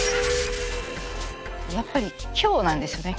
やっぱり今日なんですよね。